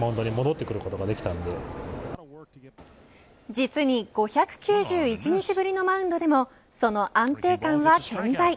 実に５９１日ぶりのマウンドでもその安定感は健在。